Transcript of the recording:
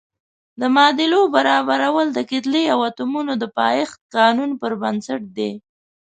د معادلو برابرول د کتلې او اتومونو د پایښت قانون پر بنسټ دي.